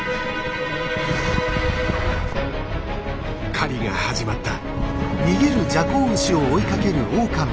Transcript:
狩りが始まった。